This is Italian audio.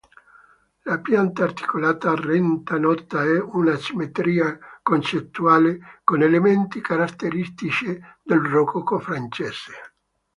La pianta articolata rende nota una simmetria concettuale con elementi caratteristici del rococò francese.